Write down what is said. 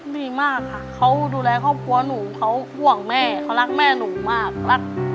ดีมากค่ะเขาดูแลครอบครัวหนูเขาห่วงแม่เขารักแม่หนูมากรัก